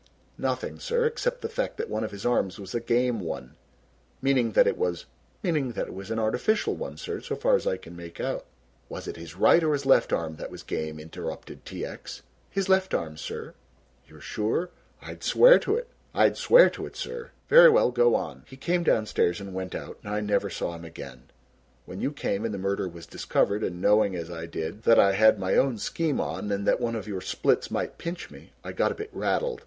"Nothing, sir, except the fact that one of his arms was a game one." "Meaning that it was " "Meaning that it was an artificial one, sir, so far as I can make out." "Was it his right or his left arm that was game!" interrupted T. X. "His left arm, sir." "You're sure?" "I'd swear to it, sir." "Very well, go on." "He came downstairs and went out and I never saw him again. When you came and the murder was discovered and knowing as I did that I had my own scheme on and that one of your splits might pinch me, I got a bit rattled.